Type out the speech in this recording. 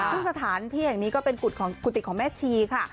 ซึ่งสถานที่แห่งนี้ก็เป็นกุฏิของแม่ชีค่ะ